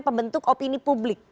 pembentuk opini publik